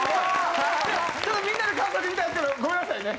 ちょっとみんなに感想聞きたいんですけどごめんなさいね。